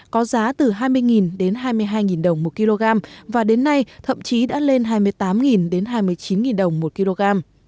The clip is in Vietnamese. có giá từ hai mươi đến hai mươi hai đồng một kg và đến nay thậm chí đã lên hai mươi tám hai mươi chín đồng một kg